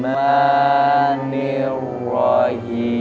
mau ikut belajar ngaji